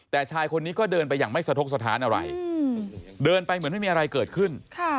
แต่ชายคนนี้ก็เดินไปอย่างไม่สะทกสถานอะไรเดินไปเหมือนไม่มีอะไรเกิดขึ้น